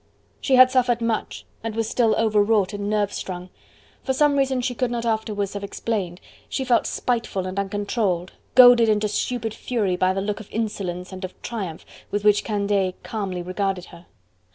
She had suffered much, and was still overwrought and nerve strung: for some reason she could not afterwards have explained, she felt spiteful and uncontrolled, goaded into stupid fury by the look of insolence and of triumph with which Candeille calmly regarded her.